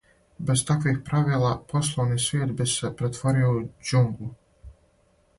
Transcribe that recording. Без таквих правила, пословни свијет би се претворио у ђунглу.